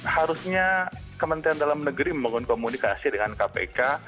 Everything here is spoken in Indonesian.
harusnya kementerian dalam negeri membangun komunikasi dengan kpk